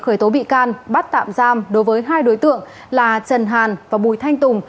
khởi tố bị can bắt tạm giam đối với hai đối tượng là trần hàn và bùi thanh tùng